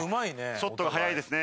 ショットが速いですね。